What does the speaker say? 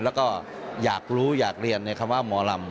แล้วก็อยากรู้อยากเรียนในคำว่าหมอลำ